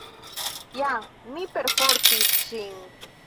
Ja, mi perfortis ŝin.